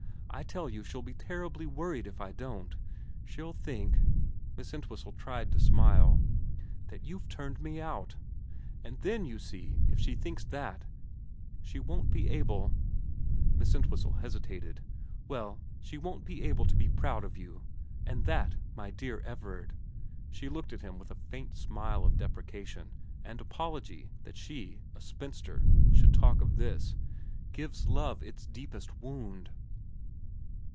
I tell you she'll be terribly worried if I don't. She'll think ' Miss Ent whistle tried to smile ' that you've turned me out. And then, you see, if she thinks that, she won't be able ' Miss Entwhistle hesitated. * Well, she won't be able to be proud of you. And that, my dear Everard ' she looked at him with a faint smile of deprecation and apology that she, a spinster, should talk of this ' gives love its deepest wound.'